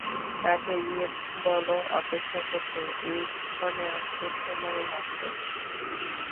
তাকে গিয়ে বলো অপেক্ষা করতে এই কনে আসতে সময় লাগাবে।